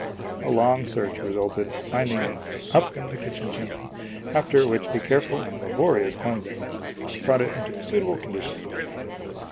A long search resulted in finding it up the kitchen chimney, after which a careful and laborious cleansing brought it into a suit <_> o able condition to be handled.